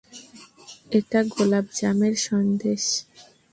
এটা গোলাপজামনের সন্দেশ।